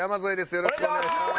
よろしくお願いします。